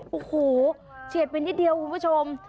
โอ้โหเฉียดไปนิดเดียวคุณผู้ชม